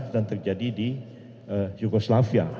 dan terjadi di yugoslavia